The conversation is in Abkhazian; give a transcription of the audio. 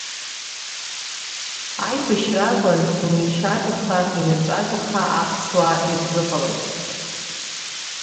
Аибашьра акәын имишәагаха, инырҵәагаха аԥсуаа ирзыҟалаз.